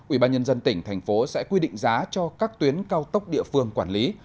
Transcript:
ủy ban nhân dân tỉnh thành phố sẽ quy định giá cho các tuyến cao tốc địa phương quản lý